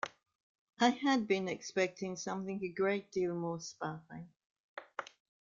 I had been expecting something a great deal more sparkling.